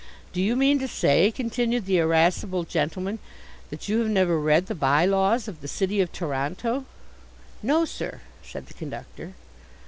"Do you mean to say," continued the irascible gentleman, "that you have never read the by laws of the City of Toronto?" "No, sir," said the conductor.